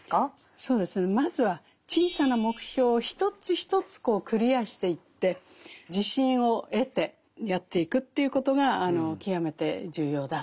そうですねまずは小さな目標を一つ一つクリアしていって自信を得てやっていくということが極めて重要だということですね。